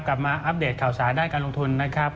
มาอัปเดตข่าวสารด้านการลงทุนนะครับ